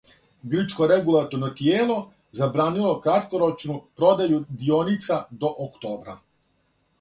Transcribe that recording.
Грчко регулаторно тијело забранило краткорочну продају дионица до октобра